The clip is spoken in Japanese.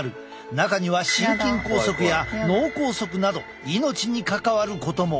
中には心筋梗塞や脳梗塞など命に関わることも。